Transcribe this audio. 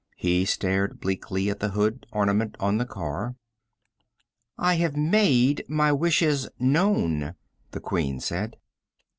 He stared bleakly at the hood ornament on the car. "I have made my wishes known," the Queen said.